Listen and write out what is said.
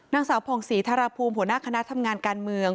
นางสาวผ่องศรีธรภูมิหัวหน้าคณะทำงานการเมือง